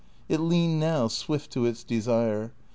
It leaned now, swift to its de sire.